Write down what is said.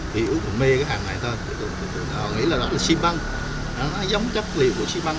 kỹ thuật mê cái bàn này tao nghĩ là nó xi văn giống chất liệu của shipgum